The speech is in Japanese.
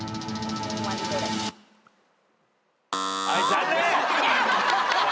残念！